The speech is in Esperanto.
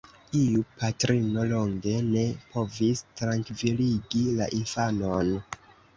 Iu patrino longe ne povis trankviligi la infanon.